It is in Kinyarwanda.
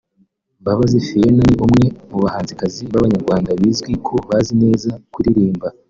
Mbabazi Phionah ni umwe mu bahanzikazi b'abanyarwanda bizwi ko bazi neza kuririmba